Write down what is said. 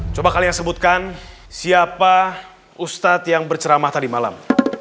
coba kalian sebutkan siapa ustadz yang berceramah tadi malam